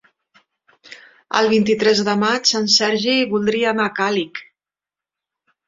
El vint-i-tres de maig en Sergi voldria anar a Càlig.